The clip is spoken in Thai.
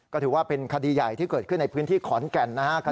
ก็ถือว่าเป็นคดีใหญ่ที่เกิดขึ้นในพื้นที่ขอนแก่นนะครับ